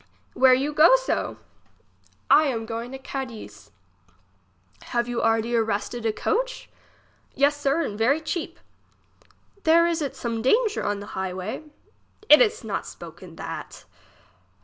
Where you go so ? I am going to Cadiz. Have you already arrested a coach ? Yes, sir, and very cheap. There is it some danger on the highway ? It is not spoken that.